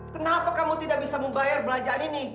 kenapa kamu tidak bisa membayar belanjaan ini